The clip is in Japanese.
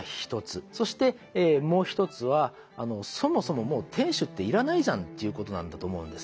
そしてもう一つはそもそももう天守って要らないじゃんっていうことなんだと思うんですね。